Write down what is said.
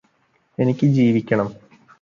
എനിക്ക് ജീവിക്കണം